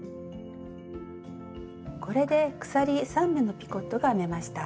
これで鎖３目のピコットが編めました。